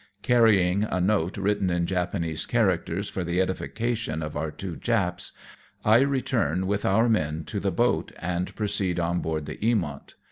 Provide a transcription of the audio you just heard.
Carrying a note written in Japanese characters for the edification of our two Japs, I return with our men to the boat and proceed on board the JEamoiif.